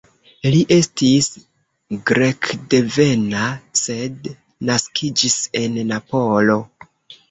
Li estis grekdevena, sed naskiĝis en Napolo.